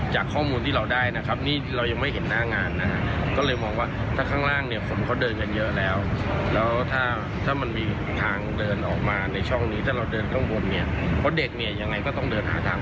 ถ้าเขายังผมว่าประกอบกับคนในพื้นที่ที่เขาแข็งแรง